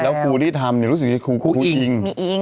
แล้วครูที่ทำเนี่ยรู้สึกว่าครูคู่อิง